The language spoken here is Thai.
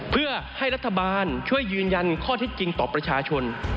เพื่อให้รัฐบาลช่วยยืนยันข้อเท็จจริงต่อประชาชน